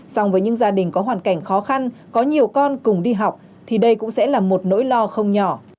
xong với những gia đình có hoàn cảnh khó khăn có nhiều con cùng đi học thì đây cũng sẽ là một nỗi lo không nhỏ